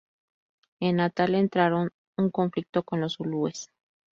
En Natal entraron en conflicto con los zulúes.